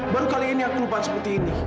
baru kali ini aku lupa seperti ini